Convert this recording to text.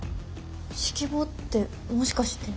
指揮棒ってもしかして。